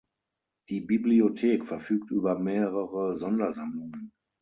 Die Bibliothek verfügt über mehrere Sondersammlungen.